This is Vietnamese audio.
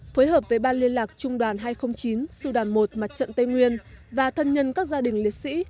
phối hợp với ban liên lạc trung đoàn hai trăm linh chín sư đoàn một mặt trận tây nguyên và thân nhân các gia đình liệt sĩ